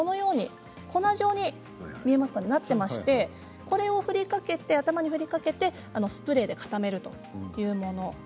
粉状になっていましてこれを振りかけて頭に振りかけてスプレーで固めるというもの。